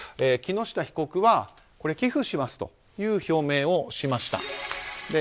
木下被告は寄付しますと表明しました。